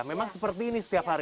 memang seperti ini setiap hari